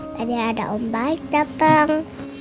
tadi ada om baik dateng